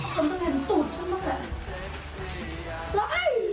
คนต้องเห็นตูดชั้นบ้างแหละ